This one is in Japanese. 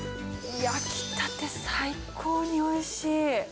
焼きたて、最高においしい。